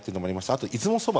あと出雲そば